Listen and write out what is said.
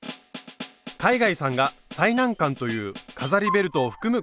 海外さんが最難関という飾りベルトを含む